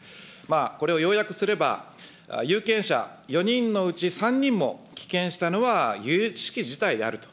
これを要約すれば、有権者４人のうち３人も棄権したのはゆゆしき事態であると。